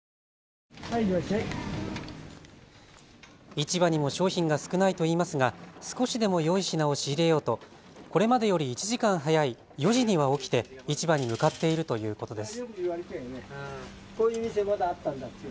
市場にも商品が少ないといいますが少しでもよい品を仕入れようとこれまでより１時間早い４時には起きて市場に向かっているということです。